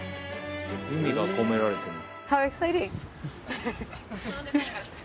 意味が込められてるんだ。